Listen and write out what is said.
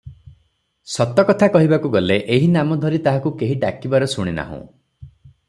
ସତ କଥା କହିବାକୁ ଗଲେ ଏହିନାମ ଧରି ତାହାକୁ କେହି ଡାକିବାର ଶୁଣିନାହୁଁ ।